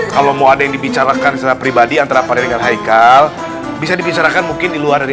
kalau mau ada yang dibicarakan secara pribadi antara farid dengan haikal bisa dibicarakan mungkin di luar dari